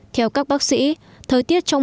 theo các bác sĩ thời tiết trong